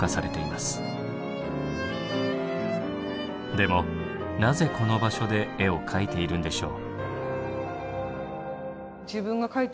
でもなぜこの場所で絵を描いているんでしょう？